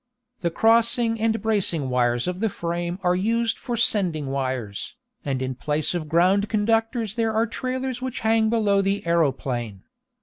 The crossing and bracing wires of the frame are used for sending wires, and in place of ground conductors there are trailers which hang below the aeroplane.